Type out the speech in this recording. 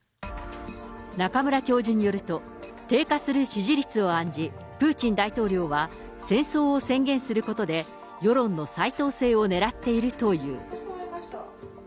中村教授によると、低下する支持率を案じ、プーチン大統領は、戦争を宣言することで、世論の再統制をねらっているという。